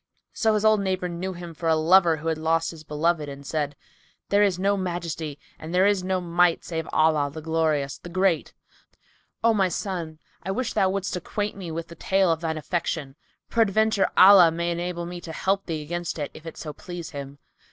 So his old neighbour knew him for a lover who had lost his beloved and said, "There is no Majesty and there is no Might, save in Allah, the Glorious, the Great! O my son, I wish thou wouldest acquaint me with the tale of thine affliction. Peradventure Allah may enable me to help thee against it, if it so please Him."